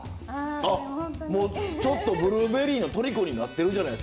あちょっとブルーベリーのとりこになってるじゃないですか。